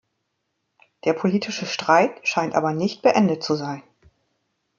Der politische Streit scheint aber nicht beendet zu sein.